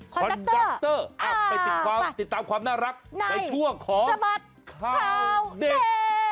คอนดรไปติดตามติดตามความน่ารักในช่วงของสบัดข่าวเด็ก